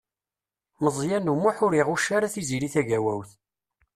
Meẓyan U Muḥ ur iɣucc ara Tiziri Tagawawt.